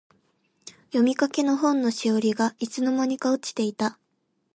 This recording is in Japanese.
読みかけの本のしおりが、いつの間にか落ちていた。